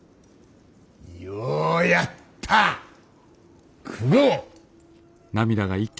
ようやった九郎。